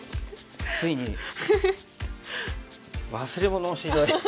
ついに忘れ物をして。